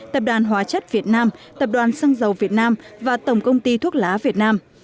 tập đoàn hóa chất việt nam tập đoàn xăng dầu việt nam và tổng công ty thuốc lá việt nam